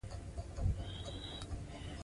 هغه به بیا منډې وهي.